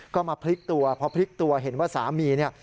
ก็มาพลิกตัวพอพลิกตัวเห็นว่าสามีเนี่ย